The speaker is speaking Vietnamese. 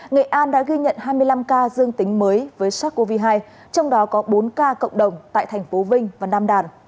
nghệ an đã ghi nhận hai mươi năm ca dương tính mới với sars cov hai trong đó có bốn ca cộng đồng tại thành phố vinh và nam đàn